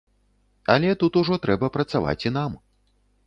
Але тут ужо трэба працаваць і нам.